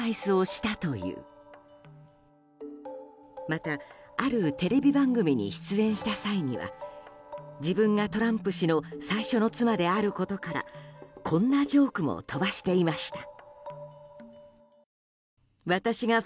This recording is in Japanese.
また、あるテレビ番組に出演した際には自分がトランプ氏の最初の妻であることからこんなジョークも飛ばしていました。